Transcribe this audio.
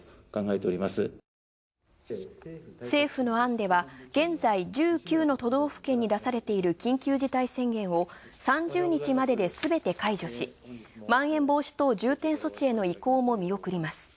政府の案では現在１９の都道府県に出されている緊急事態宣言を３０日までですべて解除し、まん延防止等重点措置への以降も見送ります。